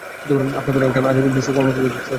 আপনার এটা আনার পেছনে নিশ্চয়ই কোন উদ্দেশ্য আছে?